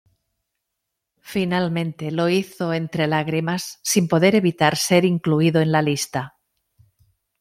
Finalmente lo hizo entre lágrimas, sin poder evitar ser incluido en la lista.